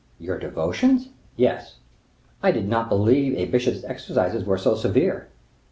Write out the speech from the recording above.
"Your devotions?" "Yes." "I did not believe a bishop's exercises were so severe."